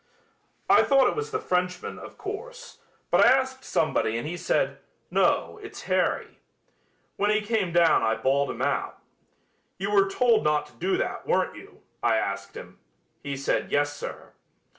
I thought it was the Frenchman, of course, but I asked somebody and he said, 'No, it's Harry.' When he came down I bawled him out. 'You were told not to do that, weren't you?' I asked him. He said, 'Yes, sir.'